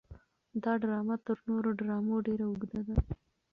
دا ډرامه تر نورو ډرامو ډېره اوږده وه.